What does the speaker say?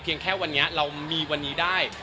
แค่วันนี้เรามีวันนี้ได้